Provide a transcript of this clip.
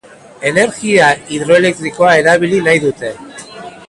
Energia hidroeletrikoa erabili nahi dute.